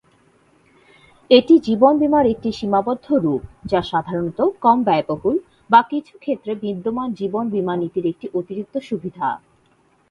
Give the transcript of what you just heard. এটি জীবন বীমার একটি সীমাবদ্ধ রূপ যা সাধারণত কম ব্যয়বহুল, বা কিছু ক্ষেত্রে বিদ্যমান জীবন বীমা নীতির একটি অতিরিক্ত সুবিধা।